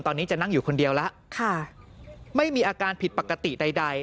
ตอนนี้จะนั่งอยู่คนเดียวแล้วค่ะไม่มีอาการผิดปกติใด